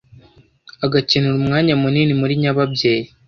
agakenera umwanya munini muri nyababyeyi,